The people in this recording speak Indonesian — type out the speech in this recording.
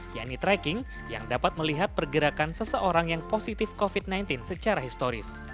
yaitu tracking yang dapat melihat pergerakan seseorang yang positif covid sembilan belas secara historis